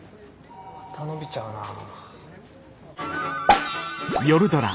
また伸びちゃうなあ。